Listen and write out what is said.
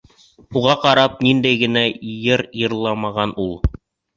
Уға ҡарап, ниндәй генә йыр йырламаған ул...